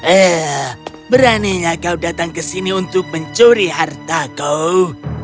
eh beraninya kau datang ke sini untuk mencuri harta kau